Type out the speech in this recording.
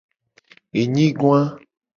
Enyigoa.